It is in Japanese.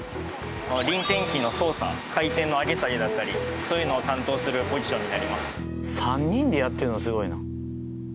輪転機の操作回転の上げ下げだったりそういうのを担当するポジションになります。